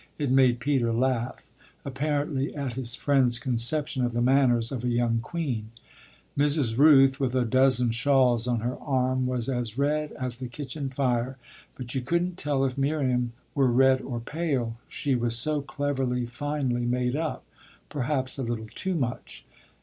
It made Peter laugh apparently at his friend's conception of the manners of a young queen. Mrs. Rooth, with a dozen shawls on her arm, was as red as the kitchen fire, but you couldn't tell if Miriam were red or pale: she was so cleverly, finely made up perhaps a little too much.